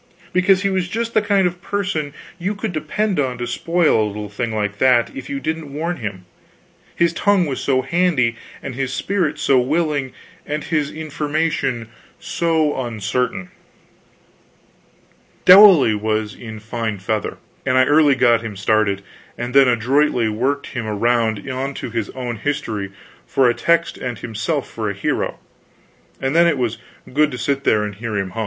Because he was just the kind of person you could depend on to spoil a little thing like that if you didn't warn him, his tongue was so handy, and his spirit so willing, and his information so uncertain. Dowley was in fine feather, and I early got him started, and then adroitly worked him around onto his own history for a text and himself for a hero, and then it was good to sit there and hear him hum.